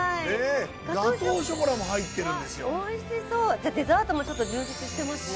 じゃあデザートもちょっと充実してますね。